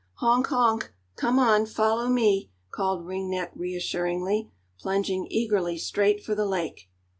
"Honk, honk; come on, follow me," called Ring Neck reassuringly, plunging eagerly straight for the lake.